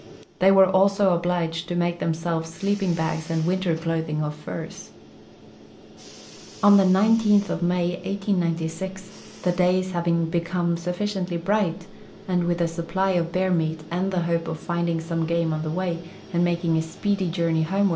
They were also obliged to make themselves sleej)ing ])ags and winter clothing of furs. On the 19th of May, 189(), the days having become sulliciently bright, and with a su)>|)ly of hear meat and the ho])e of finding some game on the way and making a s))eedy journey homeward.